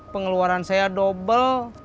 pengeluaran saya dobel